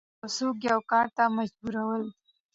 یو څوک یو کار ته مجبورول